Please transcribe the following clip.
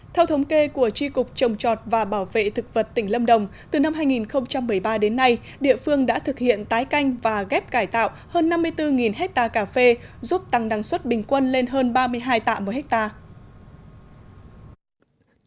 theo thống kê của tri cục trồng chọt và bảo vệ thực vật tỉnh lâm đồng từ năm hai nghìn một mươi ba đến nay địa phương đã thực hiện tái canh và ghép cải tạo hơn năm mươi bốn hectare cà phê giúp tăng năng suất bình quân lên hơn ba mươi hai tạ một hectare